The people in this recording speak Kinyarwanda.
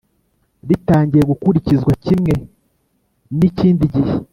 ritangiye gukurikizwa kimwe n ikindi gihe